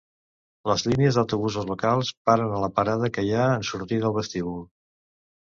Les línies d'autobusos locals paren a la parada que hi ha en sortir del vestíbul.